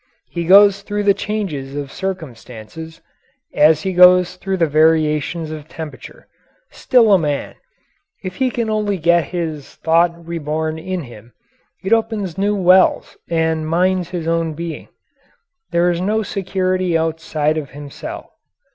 He goes through the changes of circumstances, as he goes through the variations of temperature still a man. If he can only get this thought reborn in him, it opens new wells and mines in his own being. There is no security outside of himself.